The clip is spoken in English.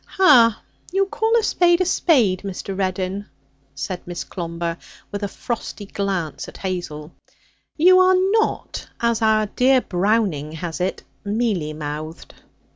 'Hah! You call a spade a spade, Mr. Reddin,' said Miss Clomber, with a frosty glance at Hazel; 'you are not, as our dear Browning has it, "mealy mouthed".'